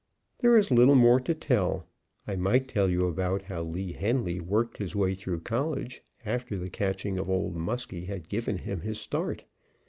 There is little more to tell. I might tell you about how Lee Henly worked his way through college, after the catching of Old Muskie had given him his start.